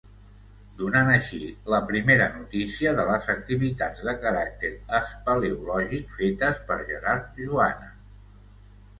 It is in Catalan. Donant així la primera notícia de les activitats de caràcter espeleològic fetes per Gerard Joana.